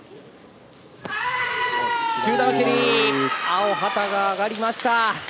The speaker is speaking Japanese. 青旗が上がりました。